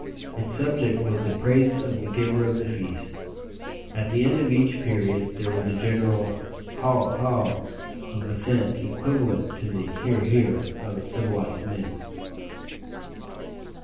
Its subject was the praise of the giver of the feast. At the end of each period there was a general "hou! hou!" of assent equivalent to the "hear! hear!" of civilized men.